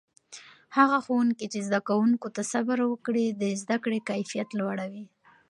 هغه ښوونکي چې زده کوونکو ته صبر وکړي، د زده کړې کیفیت لوړوي.